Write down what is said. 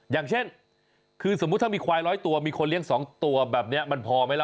อย่างเช่นคือสมมุติถ้ามีควายร้อยตัวมีคนเลี้ยง๒ตัวแบบนี้มันพอไหมล่ะ